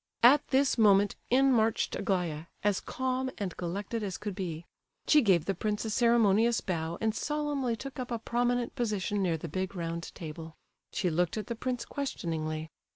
At this moment in marched Aglaya, as calm and collected as could be. She gave the prince a ceremonious bow and solemnly took up a prominent position near the big round table. She looked at the prince questioningly.